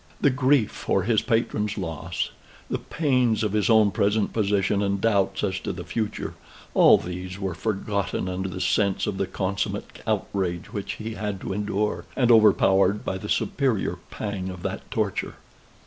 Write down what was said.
The grief for his patron's loss; the pains of his own present position, and doubts as to the future: all these were forgotten under the sense of the consummate outrage which he had to endure, and overpowered by the superior pang of that torture.